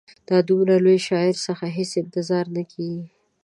دا د دومره لوی شاعر څخه هېڅ انتظار نه کیږي.